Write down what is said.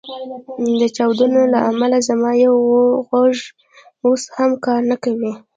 د چاودنو له امله زما یو غوږ اوس هم کار نه کوي